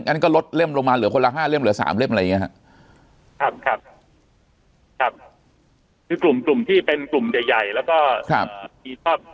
เราก็มีข้อมูลชนลึกนะครับว่ากลุ่มไหนกลุ่มไหนเป็นอย่างไรนะครับ